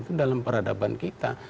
itu dalam peradaban kita